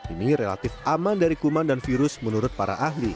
ini relatif aman dari kuman dan virus menurut para ahli